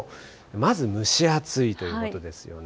まず蒸し暑いということですよね。